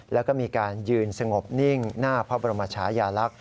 แล้วก็มีการยืนสงบนิ่งหน้าพระบรมชายาลักษณ์